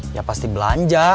ya pasti belanja